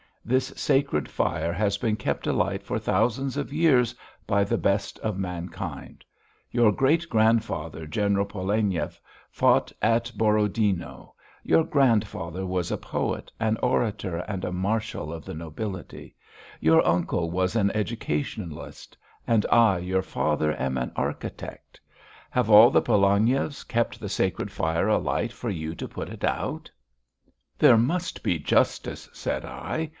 This sacred fire has been kept alight for thousands of years by the best of mankind. Your great grandfather, General Pologniev, fought at Borodino; your grandfather was a poet, an orator, and a marshal of the nobility; your uncle was an educationalist; and I, your father, am an architect! Have all the Polognievs kept the sacred fire alight for you to put it out?" "There must be justice," said I.